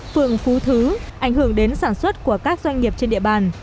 phường phú thứ ảnh hưởng đến sản xuất của các doanh nghiệp trên địa bàn